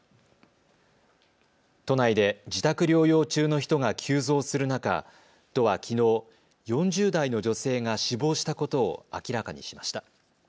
都内で自宅療養中の人が急増する中、都はきのう、４０代の女性が死亡したことを明らかにしました。